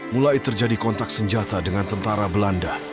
mulai terjadi kontak senjata dengan tentara belanda